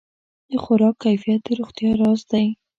د خوراک کیفیت د روغتیا راز دی.